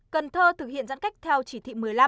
cần thơ thực hiện giãn cách theo chỉ thị một mươi năm